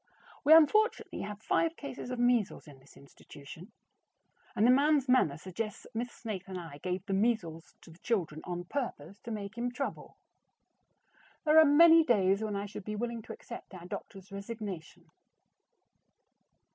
We unfortunately have five cases of measles in this institution, and the man's manner suggests that Miss Snaith and I gave the measles to the children on purpose to make him trouble. There are many days when I should be willing to accept our doctor's resignation.